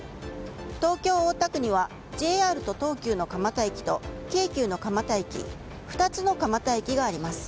東京・大田区にはＪＲと東急の蒲田駅と京急の蒲田駅２つの蒲田駅があります。